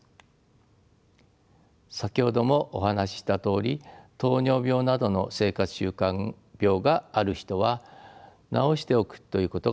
先ほどもお話ししたとおり糖尿病などの生活習慣病がある人は治しておくということが重要です。